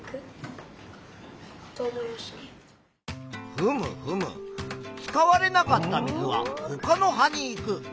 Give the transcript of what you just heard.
ふむふむ使われなかった水はほかの葉に行く。